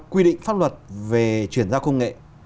quy định pháp luật về chuyển giao công nghệ